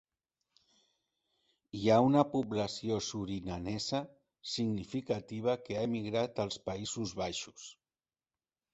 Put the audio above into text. Hi ha una població surinamesa significativa que ha emigrat als Països Baixos.